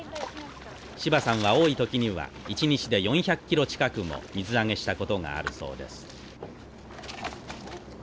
芝さんは多い時には一日で４００キロ近くも水揚げしたことがあるそうです。